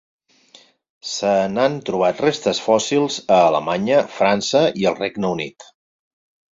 Se n'han trobat restes fòssils a Alemanya, França i el Regne Unit.